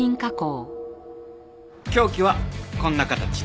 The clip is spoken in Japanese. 凶器はこんな形。